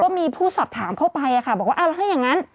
ก็มีผู้สอบถามเข้าไปบอกว่าถ้าอย่างนั้น